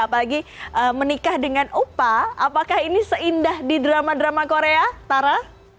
apalagi menikah dengan upa apakah ini seindah di drama drama korea tara